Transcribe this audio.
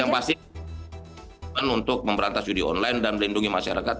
yang pasti untuk memberantas judi online dan melindungi masyarakat